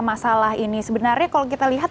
masalah ini sebenarnya kalau kita lihat